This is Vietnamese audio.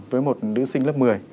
với một nữ sinh lớp một mươi